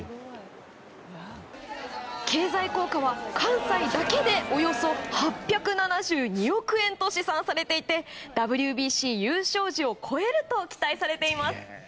経済効果は、関西だけでおよそ８７２億円と試算されていてＷＢＣ優勝時を超えると期待されています。